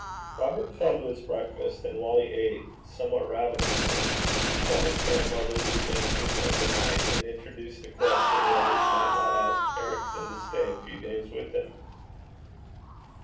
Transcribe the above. Robert fell to his breakfast, and while he ate somewhat ravenously he told his grandmother the adventures of the night, and introduced the question whether he might not ask Ericson to stay a few days with him.